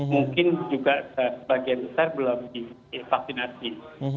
mungkin juga sebagian besar belum divaksinasi